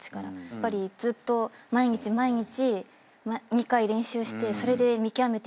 やっぱりずっと毎日毎日２回練習してそれで見極めていったんだ。